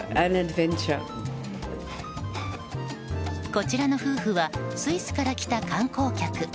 こちらの夫婦はスイスから来た観光客。